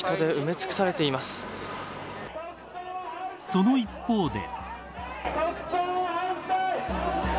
その一方で。